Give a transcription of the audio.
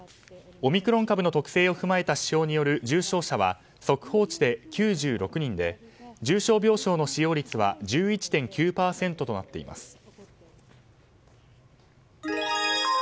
オミクロン株の特性を踏まえた指標による重症者は速報値で９６人で重症病床の使用率は１１．９％となっています。